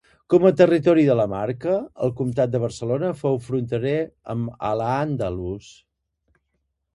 Com a territori de la Marca, el comtat de Barcelona fou fronterer amb al-Àndalus.